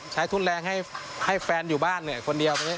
ใช้ทุนแรงให้แฟนอยู่บ้านคนเดียว